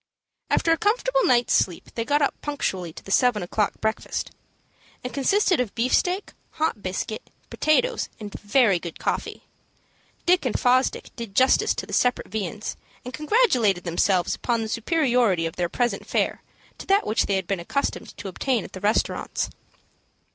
After a comfortable night's sleep, they got up punctually to the seven o'clock breakfast. It consisted of beefsteak, hot biscuit, potatoes, and very good coffee. Dick and Fosdick did justice to the separate viands, and congratulated themselves upon the superiority of their present fare to that which they had been accustomed to obtain at the restaurants.